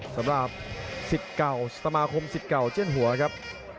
สำหรับสมาคมสิทธิ์เก่าเจียนหัวครับ